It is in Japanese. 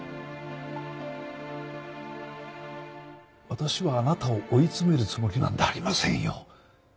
私はあなたを追い詰めるつもりなんてありませんよ。